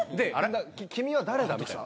君は誰だみたいな。